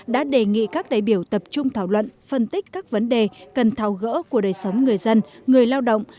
đã đề nghị các đại biểu tập trung thảo luận phân tích các vấn đề cần thao gỡ của đời sống người dân người lao động